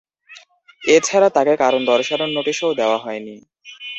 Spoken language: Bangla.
এ ছাড়া তাঁকে কারণ দর্শানোর নোটিশও দেওয়া হয়নি।